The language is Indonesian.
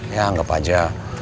ya anggap aja